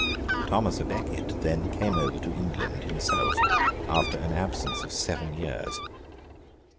Thomas à Becket then came over to England himself, after an absence of seven years.